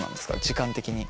時間的に。